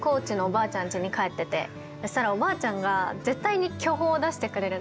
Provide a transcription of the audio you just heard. そしたらおばあちゃんが絶対に巨峰を出してくれるんですよ。